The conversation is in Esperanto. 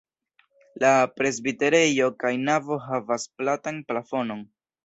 La presbiterejo kaj navo havas platan plafonon.